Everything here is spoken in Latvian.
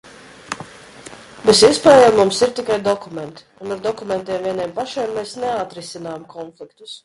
Bez iespējām mums ir tikai dokumenti, un ar dokumentiem vieniem pašiem mēs neatrisinām konfliktus.